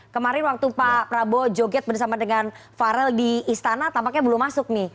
kemarin waktu pak prabowo joget bersama dengan farel di istana tampaknya belum masuk nih